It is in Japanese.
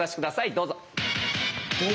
どうぞ！